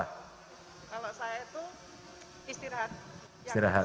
kalau saya itu istirahat